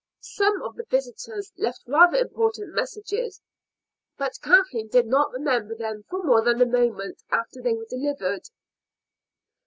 Some of the visitors left rather important messages, but Kathleen did not remember them for more than a moment after they were delivered.